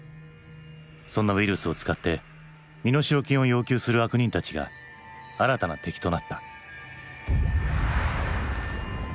そんなウイルスを使って身代金を要求する悪人たちが新たな敵となった。